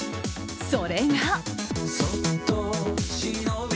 それが。